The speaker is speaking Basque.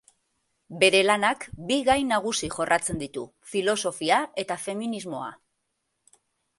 Bere lanak bi gai nagusi jorratzen ditu: filosofia eta feminismoa.